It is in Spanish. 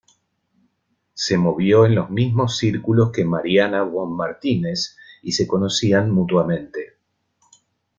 Se movió en los mismos círculos que Mariana Von Martínez y se conocían mutuamente.